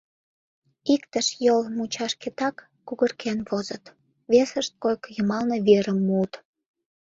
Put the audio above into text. Иктышт йол мучашкетак кугырген возыт, весышт койко йымалне верым муыт.